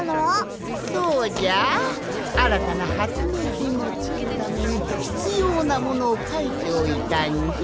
そうじゃあらたなはつめいひんをつくるためにひつようなものをかいておいたんじゃ。